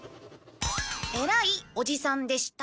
「エライおじさんでした」